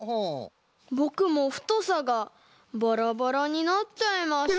ぼくもふとさがバラバラになっちゃいました。